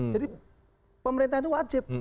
jadi pemerintah itu wajib